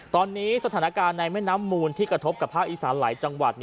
ตอนนี้สถานการณ์ในแม่น้ำมูลที่กระทบกับภาคอีสานหลายจังหวัด